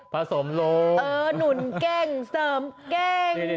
ผสมลงเออหนุนเก้งเสริมเก้ง